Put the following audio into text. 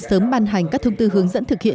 sớm ban hành các thông tư hướng dẫn thực hiện